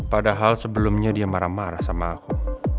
padahal sebelumnya dia marah marah sama aku